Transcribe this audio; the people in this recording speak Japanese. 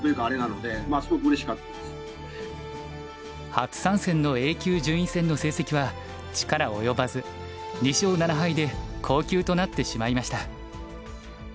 初参戦のＡ級順位戦の成績は力及ばず２勝７敗で降級となってしまいました。